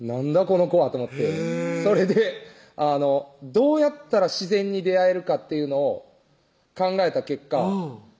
この子はと思ってそれでどうやったら自然に出会えるかっていうのを考えた結果